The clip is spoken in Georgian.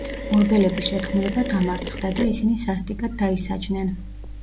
ორბელების შეთქმულება დამარცხდა და ისინი სასტიკად დაისაჯნენ.